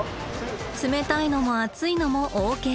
冷たいのも熱いのもＯＫ。